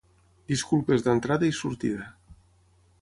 Disculpes d’entrada i sortida.